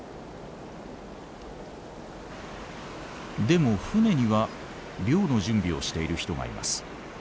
でも船には漁の準備をしている人がいます。